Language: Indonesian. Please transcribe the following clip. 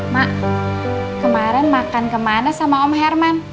mak kemarin makan kemana sama om herman